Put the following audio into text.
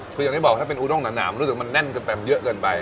คืออย่างที่บอกถ้าเป็นอูด้งหนามรู้สึกมันแน่นกันไปเยอะเกินไป